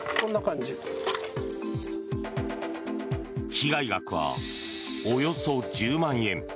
被害額はおよそ１０万円。